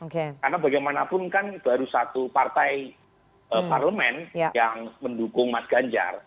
karena bagaimanapun kan baru satu partai parlemen yang mendukung mas ganjar